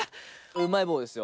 うまい棒ですよ。